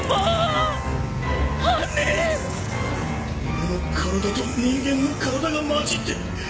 俺の体と人間の体がまじって。